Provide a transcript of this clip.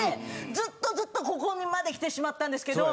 ずっとずっとここまで来てしまったんですけど。